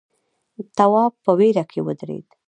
تواب په وېره کې ودرېد.